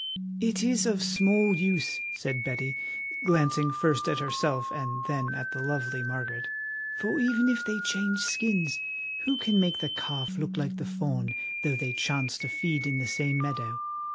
"It is of small use," said Betty, glancing first at herself and then at the lovely Margaret, "for even if they change skins, who can make the calf look like the fawn, though they chance to feed in the same meadow?